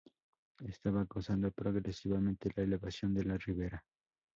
Esto va causando, progresivamente, la elevación de la ribera.